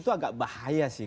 itu agak bahaya sih